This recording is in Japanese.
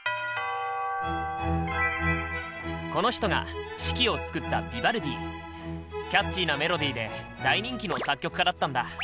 この人が「四季」を作ったキャッチーなメロディーで大人気の作曲家だったんだ。